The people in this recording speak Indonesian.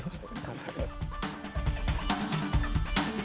terima kasih mas